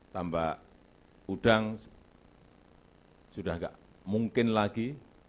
tambak udang sudah enggak mungkin lagi